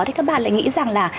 thì các bạn lại nghĩ rằng là